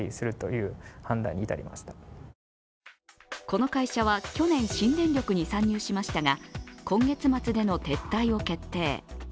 この会社は去年、新電力に参入しましたが今月末での撤退を決定。